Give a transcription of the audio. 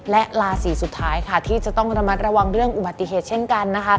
และราศีสุดท้ายค่ะที่จะต้องระมัดระวังเรื่องอุบัติเหตุเช่นกันนะคะ